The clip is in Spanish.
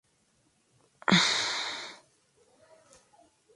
Horrorizados, la buscaron por todas las áreas cercanas al campamento; pero no aparecía.